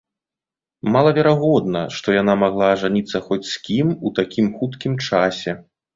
Малаверагодна, што яна магла ажаніцца хоць з кім у такім хуткім часе.